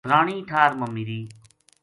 فلانی ٹھار ما میری